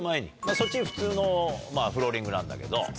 そっち普通のフローリングなんだけど。